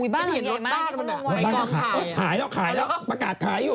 บ้านหลังใหญ่มากนี่เขาลงไว้ก่อนขายแล้วขายแล้วประกาศขายอยู่